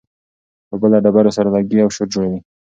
اوبه له ډبرو سره لګېږي او شور جوړوي.